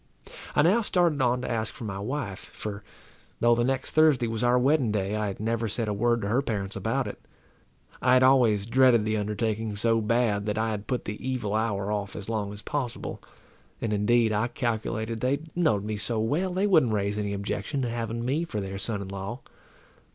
I now started on to ask for my wife; for, though the next Thursday was our wedding day, I had never said a word to her parents about it. I had always dreaded the undertaking so bad, that I had put the evil hour off as long as possible; and, indeed, I calculated they knowed me so well, they wouldn't raise any objection to having me for their son in law.